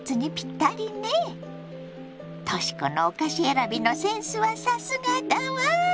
とし子のお菓子選びのセンスはさすがだわ。